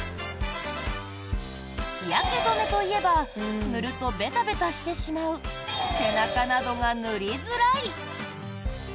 日焼け止めといえば塗るとベタベタしてしまう背中などが塗りづらい。